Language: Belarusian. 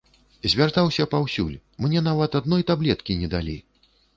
Звяртаўся паўсюль, мне нават адной таблеткі не далі.